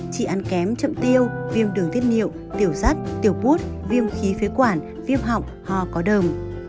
chị ăn kém chậm tiêu viêm đường tiết niệu tiểu rắt tiểu bút viêm khí phế quản viêm họng họ có đờm